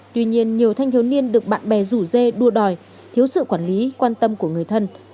tuy nhiên nhiều thanh thiếu niên được bạn bè rủ dê đua đòi thiếu sự quản lý quan tâm của người thân